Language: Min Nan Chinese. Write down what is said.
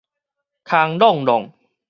空閬閬